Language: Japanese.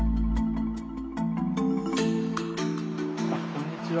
こんにちは。